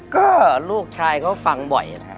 ก็ลูกชายเค้าฟังบ่อยอะท่ะ